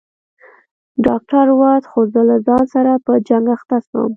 ډاکتر ووت خو زه له ځان سره په جنگ اخته سوم.